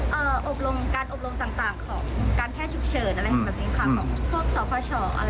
การอบรวมต่างของการแท่ฉุกเฉินอะไรแบบนี้ค่ะ